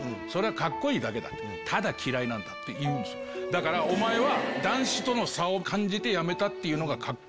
「だからおまえは」。